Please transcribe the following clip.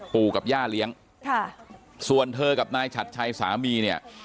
ปู่กับย่าเลี้ยงค่ะส่วนเธอกับนายฉัดชัยสามีเนี่ย